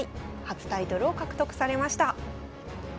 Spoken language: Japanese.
初タイトルを獲得されました。